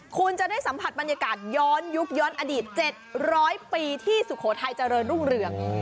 คุณจะได้สัมผัสบรรยากาศย้อนยุคย้อนอดีต๗๐๐ปีที่สุโขทัยเจริญรุ่งเรือง